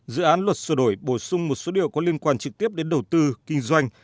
dự án luật sửa đổi bổ sung một số điều có liên quan trực tiếp đến đầu tư kinh doanh